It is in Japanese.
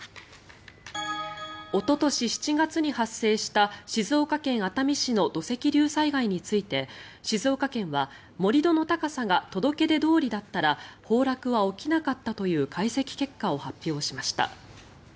おととし７月に発生した静岡県熱海市の土石流災害について静岡県は、盛り土の高さが届け出どおりだったら崩落は起きなかったという解析結果を発表しました。